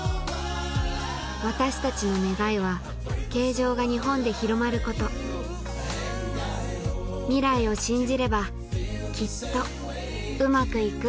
私たちの願いは軽乗が日本で広まること未来を信じればきっとウマくいく